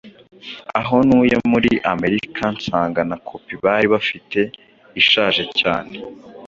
aho ntuye muri Amerika, nsanga na kopi bari bafite ishaje cyane